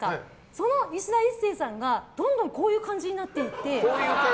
そのいしだ壱成さんがどんどん、こういう感じになっていって。